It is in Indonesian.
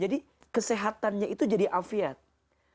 jadi kesehatannya itu jadi afiatat fil jasad